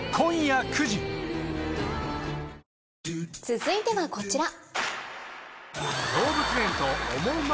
続いてはこちら。